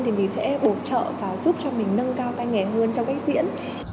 thì mình sẽ bổ trợ và giúp cho mình nâng cao tay nghề hơn cho cách diễn